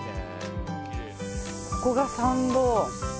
ここが参道。